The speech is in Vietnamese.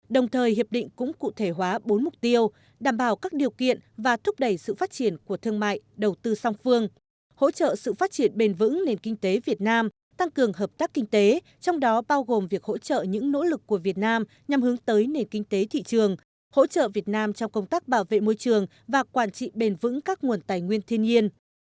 đồng thời hiệp định cũng cụ thể hóa bốn mục tiêu đảm bảo các điều kiện và thúc đẩy sự phát triển của thương mại đầu tư song phương hỗ trợ sự phát triển bền vững nền kinh tế việt nam tăng cường hợp tác kinh tế trong đó bao gồm việc hỗ trợ những nỗ lực của việt nam nhằm hướng tới nền kinh tế thị trường hỗ trợ việt nam trong công tác bảo vệ môi trường và quản trị bền vững các nguồn tài nguyên thiên nhiên